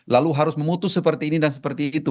lalu harus memutus seperti ini dan seperti itu